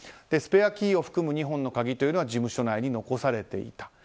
スペアキーを含む２本の鍵は事務所内に残されていた。